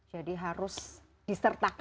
jadi harus disertakan